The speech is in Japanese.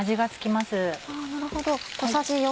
なるほど。